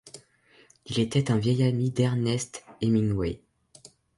Il était un vieil ami d’Ernest Hemingway.